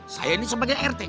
saya ini sebagai rt